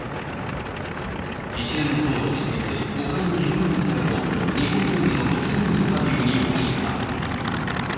一連の騒動について、誤解を広めないためと、日本テレビの独占インタビューに応じた。